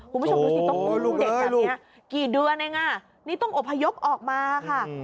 คุณผู้ชมดูสิต้องอุ้มเด็กแบบนี้กี่เดือนเองอ่ะนี่ต้องอบพยพออกมาค่ะ